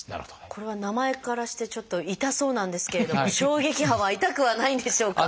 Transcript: これは名前からしてちょっと痛そうなんですけれども衝撃波は痛くはないんでしょうか？